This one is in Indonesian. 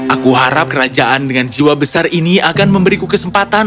aku harap kerajaan dengan jiwa besar ini akan memberiku kesempatan